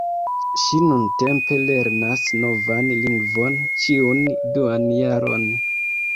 Ŝi nuntempe lernas novan lingvon ĉiun duan jaron.